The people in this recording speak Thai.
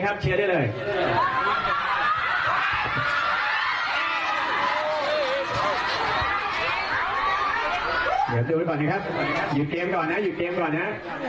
หยุดเกมก่อนนะ